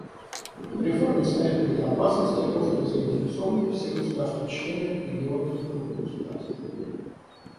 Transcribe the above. «В реформе Совета Безопасности остро заинтересованы все государства-члены, регионы и группы государств.